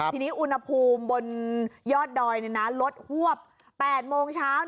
ทีนี้อุณหภูมิบนยอดดอยลดฮวบ๘โมงเช้า